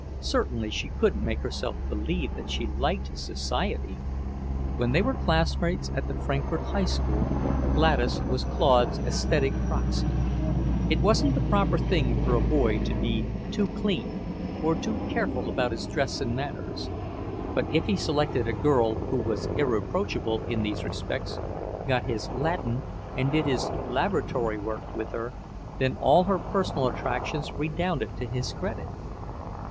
Certainly she couldn't make herself believe that she liked his society! When they were classmates at the Frankfort High School, Gladys was Claude's aesthetic proxy. It wasn't the proper thing for a boy to be too clean, or too careful about his dress and manners. But if he selected a girl who was irreproachable in these respects, got his Latin and did his laboratory work with her, then all her personal attractions redounded to his credit.